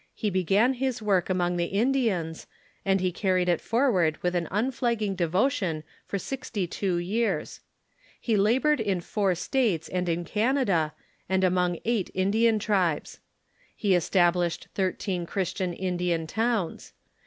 In 1'745 he began his work among the Indians, and he carried it forward with an unflagging devotion for sixty two years. He labored in four states and in Canada, and among eight Indian tribes. He established thirteen Christian Indian towns.